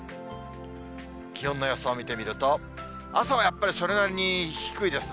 気温の予想を見てみると、朝はやっぱり、それなりに低いです。